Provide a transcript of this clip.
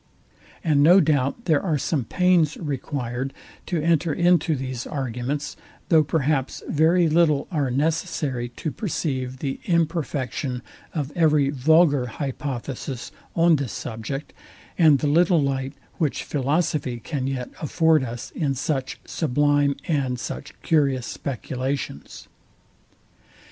And no doubt there are some pains required to enter into these arguments; though perhaps very little are necessary to perceive the imperfection of every vulgar hypothesis on this subject, and the little light, which philosophy can yet afford us in such sublime and such curious speculations.